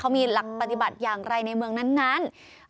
เขามีหลักปฏิบัติอย่างไรในเมืองนั้น